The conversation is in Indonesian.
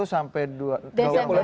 tiga puluh sampai dua desember